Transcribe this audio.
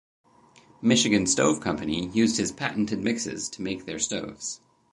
Michigan Stove Company used his patented mixes to make their stoves.